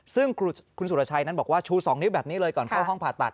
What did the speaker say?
ซึ่งคุณสุรชัยนั้นบอกว่าชู๒นิ้วแบบนี้เลยก่อนเข้าห้องผ่าตัด